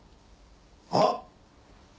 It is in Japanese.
あっ！